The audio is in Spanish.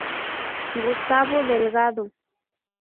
Gustavo Delgado.